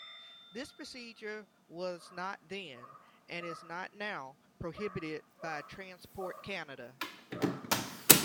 This procedure was not then, and is not now, prohibited by Transport Canada.